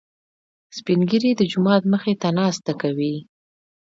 سپين ږيري د جومات مخې ته ناسته کوي.